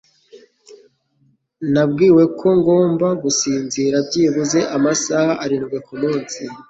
Nabwiwe ko ngomba gusinzira byibuze amasaha arindwi ku munsi.